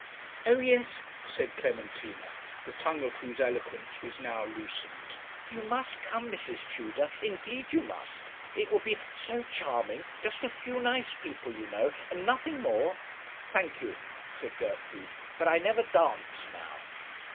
'Oh yes,' said Clementina, the tongue of whose eloquence was now loosened. 'You must come, Mrs. Tudor; indeed you must. It will be so charming; just a few nice people, you know, and nothing more.' 'Thank you,' said Gertrude; 'but I never dance now.'